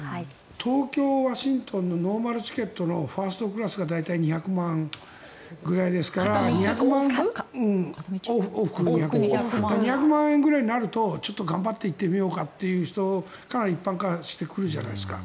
東京ワシントンのノーマルチケットのファーストクラスが大体往復で２００万円ぐらいですから２００万円ぐらいになるとちょっと頑張って行ってみようかという人がかなり一般化してくるじゃないですか。